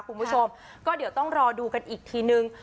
คุณผู้ชมก็เดี๋ยวต้องรอดูกันอีกทีนึง